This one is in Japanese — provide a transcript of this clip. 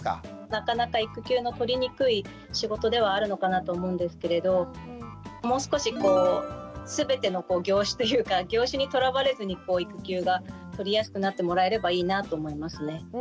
なかなか育休の取りにくい仕事ではあるのかなと思うんですけれどもう少しこう全ての業種というか業種にとらわれずに育休が取りやすくなってもらえればいいなと思いますね。